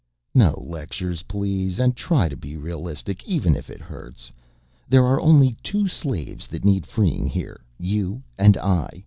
"No lectures please, and try to be realistic even if it hurts. There are only two slaves that need freeing here, you and I.